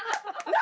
何？